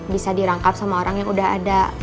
bisa dirangkap sama orang yang udah ada